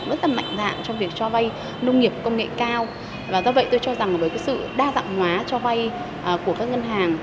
rất là mạnh dạn trong việc cho vay nông nghiệp công nghệ cao và do vậy tôi cho rằng với sự đa dạng hóa cho vay của các ngân hàng